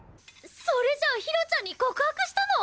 それじゃあひろちゃんに告白したの！？